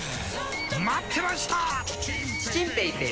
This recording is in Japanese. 待ってました！